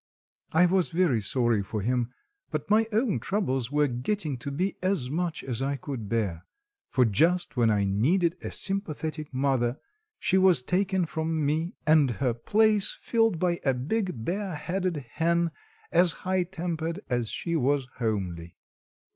I was very sorry for him, but my own troubles were getting to be as much as I could bear; for just when I needed a sympathetic mother she was taken from me and her place filled by a big, bare headed hen as high tempered as she was homely.